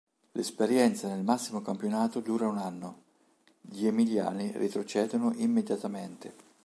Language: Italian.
L'esperienza nel massimo campionato dura un anno: gli emiliani retrocedono immediatamente.